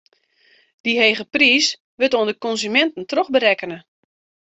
Dy hege priis wurdt oan de konsuminten trochberekkene.